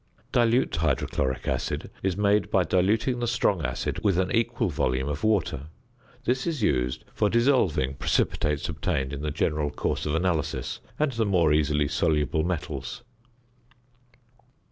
~Dilute Hydrochloric Acid~ is made by diluting the strong acid with an equal volume of water. This is used for dissolving precipitates obtained in the general course of analysis and the more easily soluble metals.